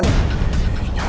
nyari ribut nih orang